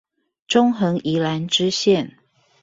中橫宜蘭支線